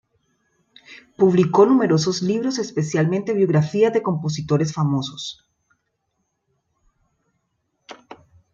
Publicó numerosos libros, especialmente biografías de compositores famosos.